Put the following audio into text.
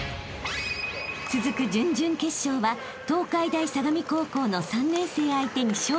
［続く準々決勝は東海大相模高校の３年生相手に勝利］